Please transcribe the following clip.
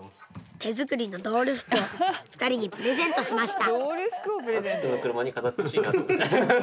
手作りのドール服を２人にプレゼントしました。